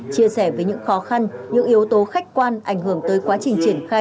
chia sẻ với những khó khăn những yếu tố khách quan ảnh hưởng tới quá trình triển khai